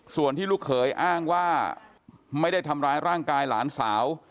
ส่วนที่ลูกเขยอ้างว่าไม่ได้ทำร้ายร่างกายหลานสาว